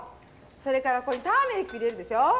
それからここにターメリック入れるでしょう。